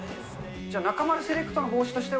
じゃあ、中丸セレクトの帽子としては、